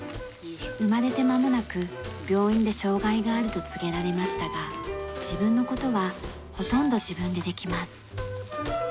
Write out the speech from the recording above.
生まれてまもなく病院で障害があると告げられましたが自分の事はほとんど自分でできます。